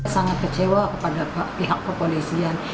sangat kecewa kepada pihak kepolisian